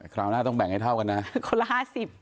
คราวหน้าต้องแบ่งให้เท่ากันนะคนละห้าสิบ